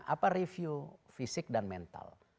apa review fisik dan mental